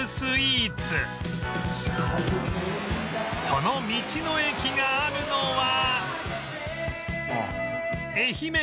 その道の駅があるのは